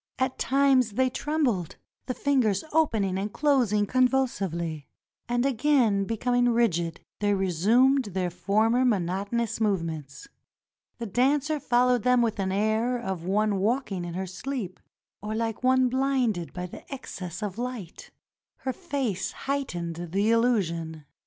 At times they trembled — the fingers opening and closing convulsively; and again becoming rigid they resumed their former monotonous movements. The dancer followed them with the air of one walking in her sleep, or like one blinded by excess of light. Her face heightened the illu sion.